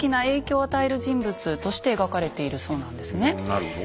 なるほど。